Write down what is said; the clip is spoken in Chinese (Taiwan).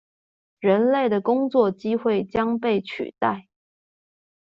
人類的工作機會將被取代？